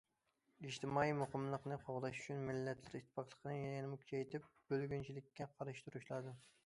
ئىجتىمائىي مۇقىملىقنى قوغداش ئۈچۈن، مىللەتلەر ئىتتىپاقلىقىنى يەنىمۇ كۈچەيتىپ، بۆلگۈنچىلىككە قارشى تۇرۇش لازىم.